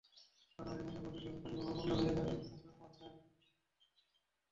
বারোয়ারি ময়লা বর্জ্য জমে পানিপ্রবাহ বন্ধ হয়ে যাওয়ায় এগুলো মশা জন্মাচ্ছে।